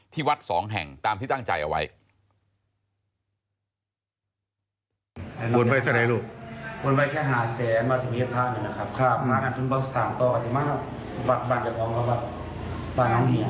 วัดสองแห่งตามที่ตั้งใจเอาไว้